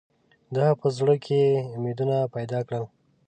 د هغه په زړه کې یې امیدونه پیدا کړل.